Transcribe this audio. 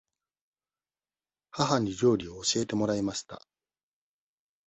母に料理を教えてもらいました。